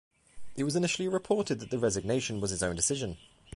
It was initially reported that the resignation was his own decision.